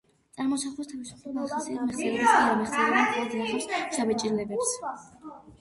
წარმოსახვას თავისუფლება ახასიათებს, მეხსიერებას კი არა, მეხსიერება მხოლოდ ინახავს შთაბეჭდილებებს.